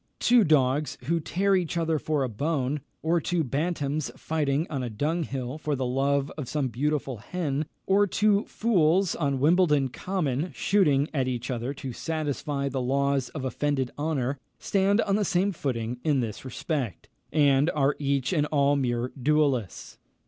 Two dogs who tear each other for a bone, or two bantams fighting on a dunghill for the love of some beautiful hen, or two fools on Wimbledon Common, shooting at each other to satisfy the laws of offended honour, stand on the same footing in this respect, and are each and all mere duellists.